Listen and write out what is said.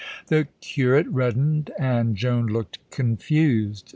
The curate reddened, and Joan looked confused.